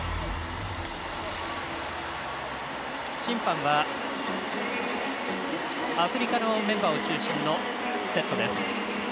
審判はアフリカのメンバーを中心のセットです。